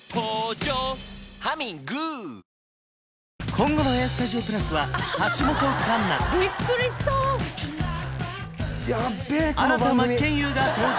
今後の「ＡＳＴＵＤＩＯ＋」は橋本環奈ビックリした新田真剣佑が登場